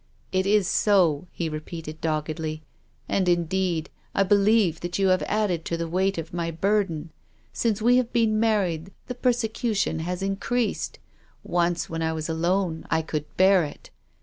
" It is so," he repeated doggedly. " And, in deed, I believe that you have added to the weight of my burden. Since we have been married the persecution has increased. Once, when I was alone, I could bear it.